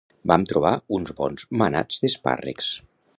Vam trobar uns bons manats d'espàrrecs